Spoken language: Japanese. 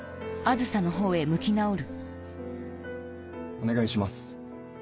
お願いします。